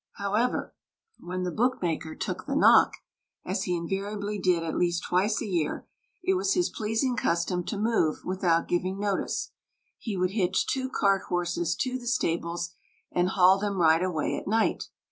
However, when the bookmaker "took the knock", as he invariably did at least twice a year, it was his pleasing custom to move without giving notice. He would hitch two cart horses to the stables, and haul them right away at night.